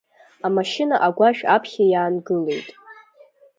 Амашьына агәашә аԥхьа иаангылеит.